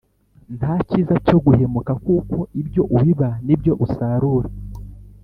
ntakiza cyo guhemuka kuko ibyo ubiba nibyo usarura